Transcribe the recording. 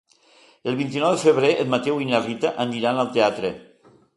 El vint-i-nou de febrer en Mateu i na Rita aniran al teatre.